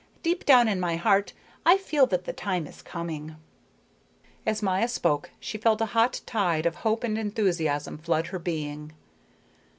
Deep down in my heart I feel that the time is coming." As Maya spoke she felt a hot tide of hope and enthusiasm flood her being.